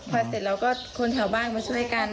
พอเสร็จแล้วก็คนแถวบ้านมาช่วยกัน